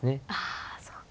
あそうか。